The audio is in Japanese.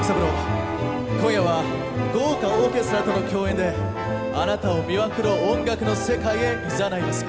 今夜は豪華オーケストラとの共演であなたを魅惑の音楽の世界へいざないます。